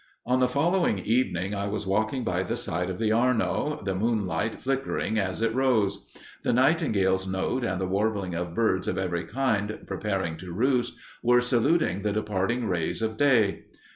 "On the following evening, I was walking by the side of the Arno, the moonlight flickering as it rose. The nightingale's note, and the warbling of birds of every kind preparing to roost, were saluting the departing rays of day.